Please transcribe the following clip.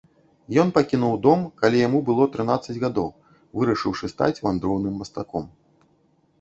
Ён пакінуў дом, калі яму было трынаццаць гадоў, вырашыўшы стаць вандроўным мастаком.